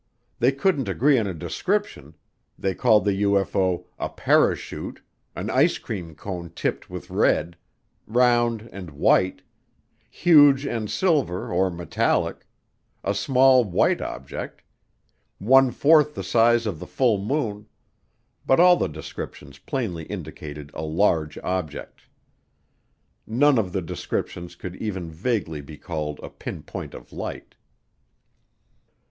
They couldn't agree on a description, they called the UFO "a parachute," "an ice cream cone tipped with red," "round and white," "huge and silver or metallic," "a small white object," "one fourth the size of the full moon," but all the descriptions plainly indicated a large object. None of the descriptions could even vaguely be called a pinpoint of light.